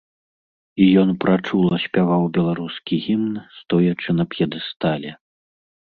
І ён прачула спяваў беларускі гімн, стоячы на п'едэстале.